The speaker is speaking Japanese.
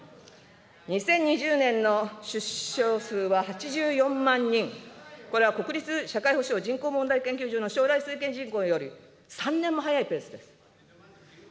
２０２０年の出生数は８４万人、これは国立社会保障・人口問題研究所の将来推計人口より３年も早いペースです。